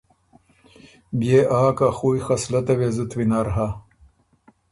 بيې آ که خُویٛ خصلته وې زُت وینر هۀ۔